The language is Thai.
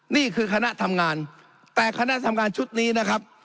นี่คือคณะทำงานแต่คณะทำงานชุดนี้นะครับ